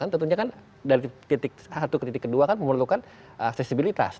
tentunya kan dari titik satu ke titik kedua kan memerlukan aksesibilitas